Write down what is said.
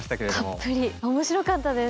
面白かったです。